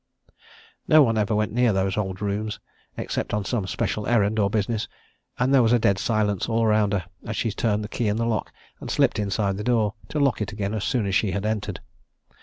No one ever went near those old rooms except on some special errand or business, and there was a dead silence all around her as she turned the key in the lock and slipped inside the door to lock it again as soon as she had entered.